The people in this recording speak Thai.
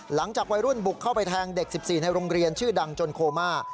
หลังจากวัยรุ่นบุกเข้าไปแทงเด็ก๑๔ในโรงเรียนชื่อดังจนโคม่า